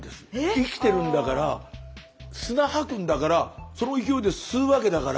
生きてるんだから砂吐くんだからその勢いで吸うわけだから。